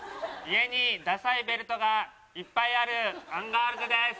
家にダサいベルトがいっぱいあるアンガールズです。